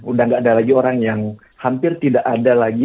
udah nggak ada lagi orang yang